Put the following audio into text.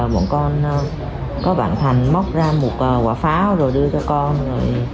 một con có bạn thành móc ra một quả pháo rồi đưa cho con